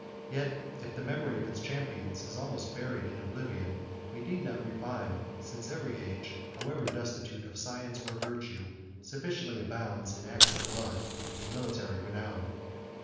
Yet if the memory of its champions is almost buried in oblivion, we need not repine; since every age, however destitute of science or virtue, sufficiently abounds with acts of blood and military renown.